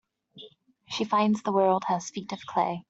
She finds the world has feet of clay.